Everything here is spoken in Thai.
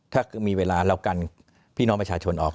ถ้ามีเวลาเรากันพี่น้องประชาชนออก